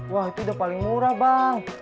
wah itu udah paling murah bang